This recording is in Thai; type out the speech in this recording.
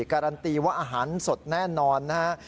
การันตีว่าอาหารสดแน่นอนนะฮะ